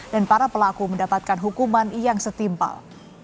dan para pelaku mendapatkan hukuman yang setimpal